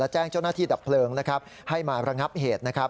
และแจ้งเจ้าหน้าที่ดับเพลิงให้มาระงับเหตุ